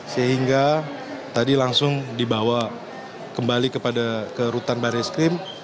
sehingga tadi langsung dibawa kembali ke rutan baris krim